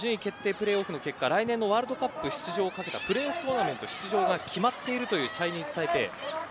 プレーオフの結果来年のワールドカップ出場をかけたプレーオフトーナメントの出場に決まっているチャイニーズタイペイ。